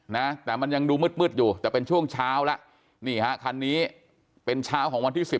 นะแต่มันยังดูมืดมืดอยู่แต่เป็นช่วงเช้าแล้วนี่ฮะคันนี้เป็นเช้าของวันที่สิบ